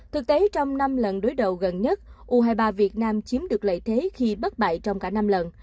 thực tế trong năm lần đối đầu gần nhất u hai mươi ba việt nam chiếm được lợi thế khi bất bại trong cả năm lần